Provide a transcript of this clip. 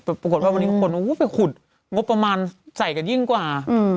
ปรากฏว่าวันนี้คนไปขุดงบประมาณใส่กันยิ่งกว่า